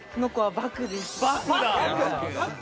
バクだ。